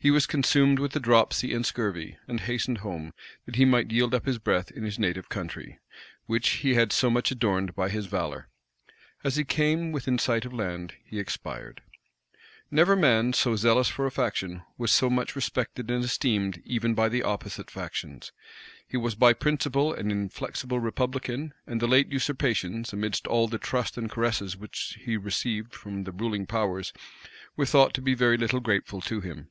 He was consumed with a dropsy and scurvy, and hastened home, that he might yield up his breath in his native country, which he had so much adorned by his valor. As he came within sight of land, he expired.[*] * 20th of April, 1657. Never man, so zealous for a faction, was so much respected and esteemed even by the opposite factions. He was by principle an inflexible republican; and the late usurpations, amidst all the trust and caresses which he received from the ruling powers, were thought to be very little grateful to him.